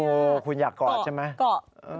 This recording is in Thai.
โอ้โหคุณอยากกอดใช่ไหมกอด